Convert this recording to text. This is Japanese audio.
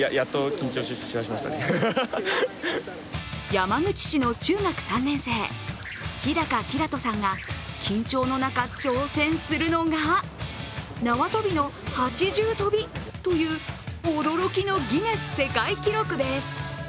山口市の中学３年生日高煌人さんが緊張の中、挑戦するのが縄跳びの８重跳びという驚きのギネス世界記録です。